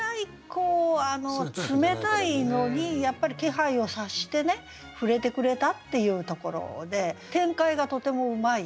こう冷たいのにやっぱり気配を察してねふれてくれたっていうところで展開がとてもうまい。